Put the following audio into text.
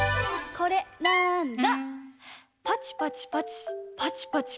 これなんだ？